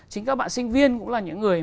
chính các bạn sinh viên cũng là những người